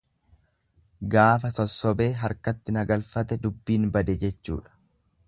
Gaafa sossobee harkatti na galfate dubbiin bade jechuudha.